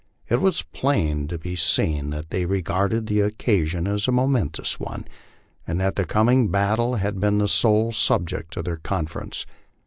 It was plain to be seen that they regarded the occasion as a mo mentous one, and that the coming battle had been the sole subject of their con ference.